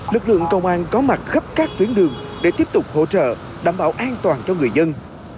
lực lượng công an có mặt khắp các tuyến đường để tiếp tục hỗ trợ đảm bảo an toàn cho người dân